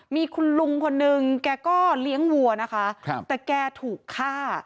มีคุณลุงคนนึงแกก็เลี้ยงวัวนะคะแต่แกถูกฆ่า